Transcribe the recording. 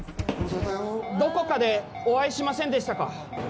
どこかでお会いしませんでしたか？